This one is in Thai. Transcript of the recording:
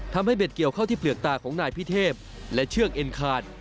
เบ็ดเกี่ยวเข้าที่เปลือกตาของนายพิเทพและเชือกเอ็นคาน